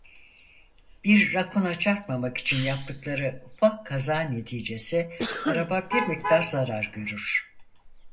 Bir rakuna çarpmamak için yaptıkları ufak kaza neticesi araba bir miktar zarar görür.